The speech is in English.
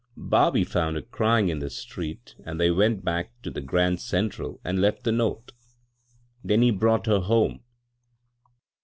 Bobby found her cryin' in the street, an' they went back to the Grand Central and left the note; then he brought her home.